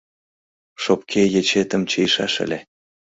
Шопке ечетым чийышаш ыле;